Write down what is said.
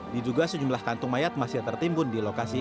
diduga sejumlah kantung mayat masih tertimbun di lokasi